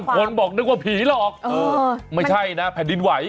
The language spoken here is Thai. คนบอกนึกว่าผีหลอกไม่ใช่นะแผ่นดินไหว